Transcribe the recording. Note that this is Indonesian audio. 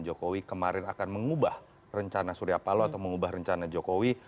jokowi kemarin akan mengubah rencana surya paloh atau mengubah rencana jokowi